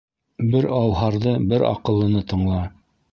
Бер ауһарҙы, бер аҡыллыны тыңла.